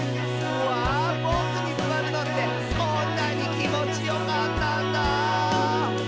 「うわボクにすわるのってこんなにきもちよかったんだ」